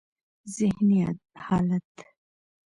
ذهني حالت: